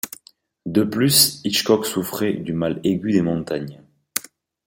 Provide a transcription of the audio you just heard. De plus, Hitchcock souffrait du mal aigu des montagnes.